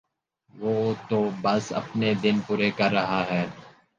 وہ تو بس اپنے دن پورے کر رہا ہے